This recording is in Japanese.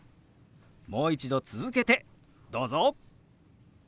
もう一度続けてどうぞ！